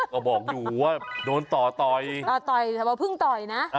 ก็บอกอยู่ว่าโดนต่อเพราะว่าเพิ่งต่อยนะโต่